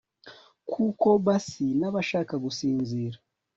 kuko basi nabasha gusinzira